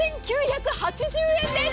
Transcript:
７９８０円です！